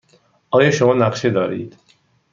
آیا شما نقشه دارید؟